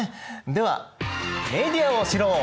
では「メディアを知ろう！